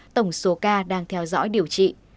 tổng số ca đang theo dõi điều trị